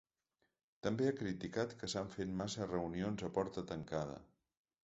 També ha criticat que s’han fet massa reunions a porta tancada.